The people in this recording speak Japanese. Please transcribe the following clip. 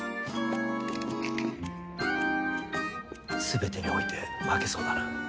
すべてにおいて負けそうだな。